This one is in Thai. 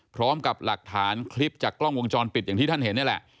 พร้อมกับหลักฐานคลิปจากกล้องวงจรปิดอย่างที่ท่านเห็นนี่แหละ